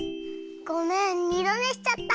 ごめんにどねしちゃった。